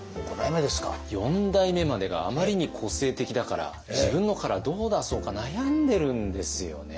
四代目までがあまりに個性的だから自分のカラーどう出そうか悩んでるんですよね。